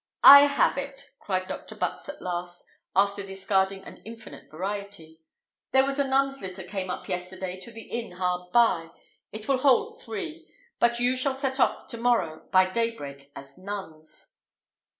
"I have it!" cried Dr. Butts, at last, after discarding an infinite variety. "There was a nun's litter came up yesterday to the inn hard by; it will hold three, and you shall set off to morrow by daybreak as nuns."